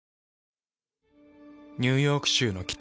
ニューヨーク州の北。